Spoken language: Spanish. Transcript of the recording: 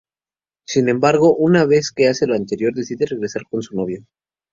Sin embargo, una vez que hace lo anterior, decide regresar con su novio.